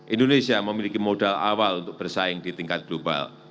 indonesia memiliki modal awal untuk bersaing di tingkat global